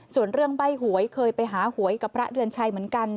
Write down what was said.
ส่วนเรื่องใบ้หวยเคยไปหาหวยกับพระเดือนชัยเหมือนกัน